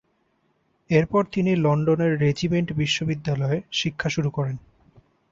এরপর তিনি লন্ডনের রেজিমেন্ট বিশ্ববিদ্যালয়ে শিক্ষা শুরু করেন।